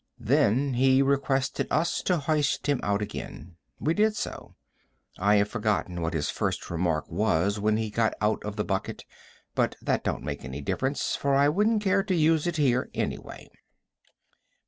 Then he requested us to hoist him out again. We did so. I have forgotten what his first remark was when he got out of the bucket, but that don't make any difference, for I wouldn't care to use it here anyway.